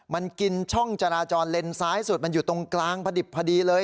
มันกินช่องจราจรเลนซ้ายสุดมันอยู่ตรงกลางพอดิบพอดีเลย